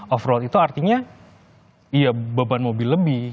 overload itu artinya iya beban mobil lebih